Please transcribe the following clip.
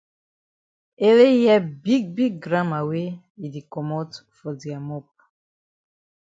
Ele hear big big gramma wey e di komot for dia mop.